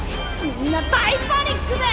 みんな大パニックだ！